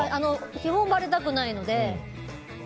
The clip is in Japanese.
基本、ばれたくないので。